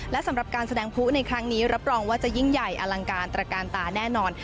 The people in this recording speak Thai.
และสำหรับการแสดงผู้ในครั้งนี้รับรองว่าจะยิ่งใหญ่อลังการตระการตาแน่นอน